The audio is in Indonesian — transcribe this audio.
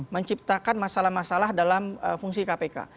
menciptakan masalah masalah dalam fungsi kpk